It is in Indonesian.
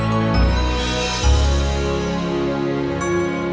tenang boleh dan mulai